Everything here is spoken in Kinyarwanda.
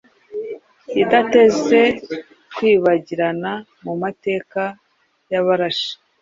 idateze kwibagirana mu mateka y’abarashi.